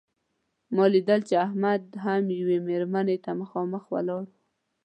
ما لیدل چې احمد هم یوې مېرمنې ته مخامخ ولاړ و.